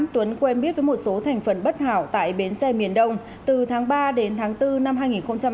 tuấn quen biết với một số thành phần bất hảo tại bến tre miền đông từ tháng ba đến tháng bốn năm hai nghìn tám